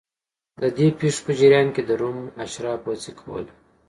د دې پېښو په جریان کې د روم اشرافو هڅې کولې